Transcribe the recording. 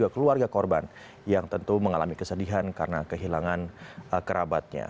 keluarga korban yang tentu mengalami kesedihan karena kehilangan kerabatnya